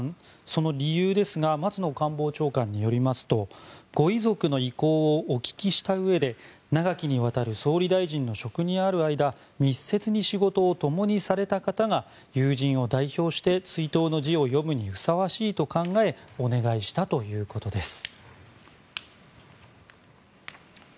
その理由ですが松野官房長官によりますとご遺族の意向をお聞きしたうえで長きにわたる総理大臣の職にある間密接に仕事をともにされた方が友人を代表して追悼の辞を読むにふさわしいと考えお願いしたということです。